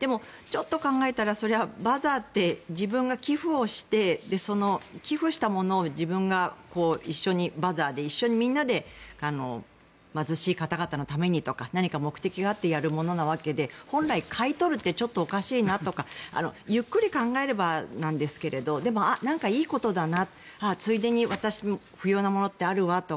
でも、ちょっと考えたらバザーって自分が寄付をしてその寄付したものを、自分がバザーで一緒にみんなで貧しい方々のためにとか何か目的があってやるものなわけで本来、買い取るってちょっとおかしいなとかゆっくり考えればなんですがなんかいいことだなついでに私、不要なものあるわとか。